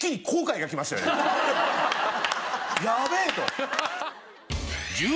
やべえと。